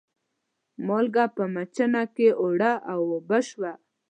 مالګه په مېچن کې اوړه و اوبه شوه.